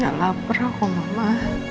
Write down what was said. gak lapar kok mama